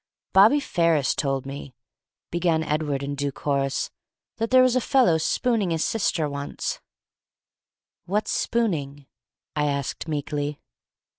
"Bobby Ferris told me," began Edward in due course, "that there was a fellow spooning his sister once " "What's spooning?" I asked meekly.